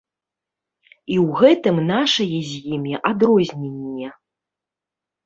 І ў гэтым нашае з імі адрозненне.